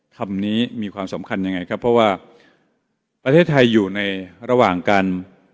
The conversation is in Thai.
คำนี้มีความสำคัญยังไงครับเพราะว่าประเทศไทยอยู่ในระหว่างการ